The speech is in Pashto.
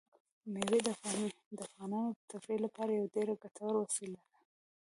مېوې د افغانانو د تفریح لپاره یوه ډېره ګټوره وسیله ده.